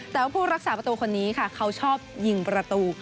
แต่ว่าผู้รักษาประตูคนนี้ค่ะเขาชอบยิงประตู